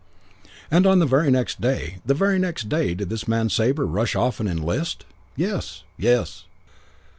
"And on the very next day, the very next day, did this man Sabre rush off and enlist? 'Yes. Yes.'